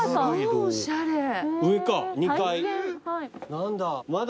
何だ？